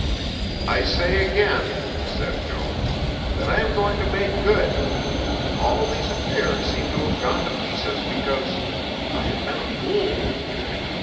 "I say again," said Jones, "that I am going to make good. All these affairs seem to have gone to pieces because I have been a fool."